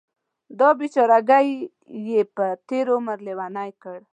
دا بیچارګۍ یې په تېر عمر لیونۍ کړه.